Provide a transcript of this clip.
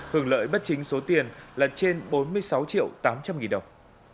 hưởng lợi bất chính số tiền là trên bốn mươi sáu triệu tám trăm linh nghìn đồng